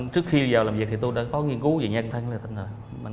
trước khi vào làm việc tôi đã có nghiên cứu về nhân thân